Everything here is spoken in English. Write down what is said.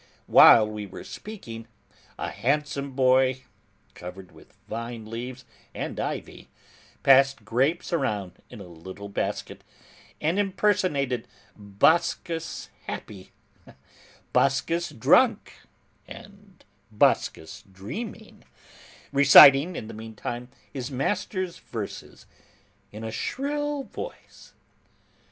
While we were speaking, a handsome boy, crowned with vine leaves and ivy, passed grapes around, in a little basket, and impersonated Bacchus happy, Bacchus drunk, and Bacchus dreaming, reciting, in the meantime, his master's verses, in a shrill voice.